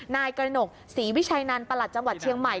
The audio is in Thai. นายกระหนกศรีวิชัยนันประหลัดจังหวัดเชียงใหม่